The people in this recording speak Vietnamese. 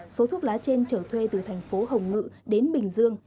số thuốc lá trên trở thuê từ tp hồng ngự đến bình dương